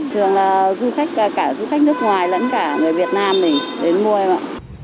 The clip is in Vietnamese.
thường là du khách nước ngoài lẫn cả người việt nam này đến mua em ạ